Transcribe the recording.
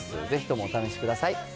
ぜひともお試しください。